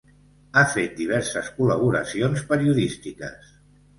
Ha fet diverses col·laboracions periodístiques.